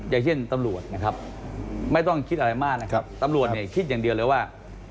อย่างเช่นตำรวจนะครับไม่ต้องคิดอะไรมากนะครับตำรวจเนี่ยคิดอย่างเดียวเลยว่า